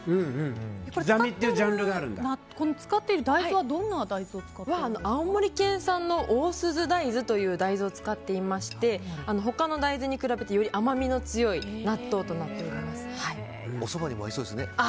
使っている大豆は青森県産のおおすず大豆というのを使っていまして他の大豆に比べてより甘みの強いおそばにも合いそうですね。